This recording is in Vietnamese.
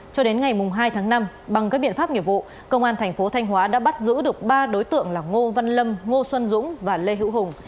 cho đến ngày hai tháng năm bằng các biện pháp nghiệp vụ công an thành phố thanh hóa đã bắt giữ được ba đối tượng là ngô văn lâm ngô xuân dũng và lê hữu hùng